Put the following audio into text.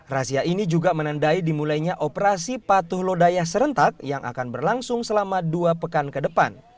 razia ini juga menandai dimulainya operasi patuh lodaya serentak yang akan berlangsung selama dua pekan ke depan